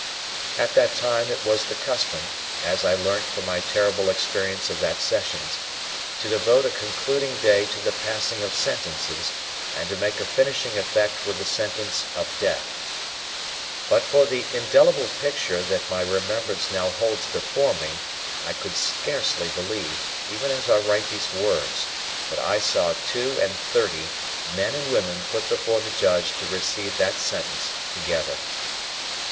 At that time, it was the custom (as I learnt from my terrible experience of that Sessions) to devote a concluding day to the passing of Sentences, and to make a finishing effect with the Sentence of Death. But for the indelible picture that my remembrance now holds before me, I could scarcely believe, even as I write these words, that I saw two and thirty men and women put before the Judge to receive that sentence together.